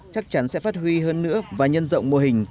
chắc chắn sẽ phát huy hơn nữa và nhân rộng mô hình